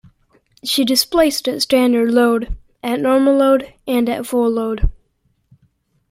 She displaced at standard load, at normal load and at full load.